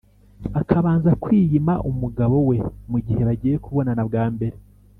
akabanza kwiyima umugabo we mu gihe bagiye kubonana bwa mbere.